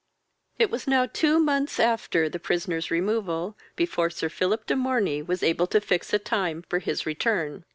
It was now two months after the prisoner's removal before Sir Philip de Morney was able to fix a time for his return.